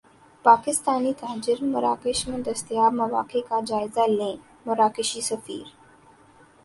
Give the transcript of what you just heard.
پاکستانی تاجر مراکش میں دستیاب مواقع کا جائزہ لیں مراکشی سفیر